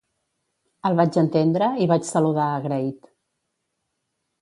El vaig entendre i vaig saludar agraït.